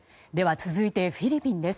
続いてフィリピンです。